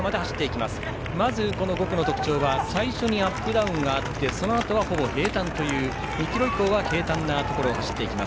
まず５区の特徴は最初にアップダウンがあってそのあとはほぼ平たんという２ｋｍ以降は平たんなところを走っていきます。